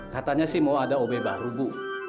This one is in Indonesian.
katanya sih mau ada obe baru bu